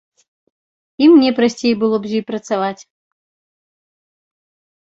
І мне прасцей было з ёй працаваць.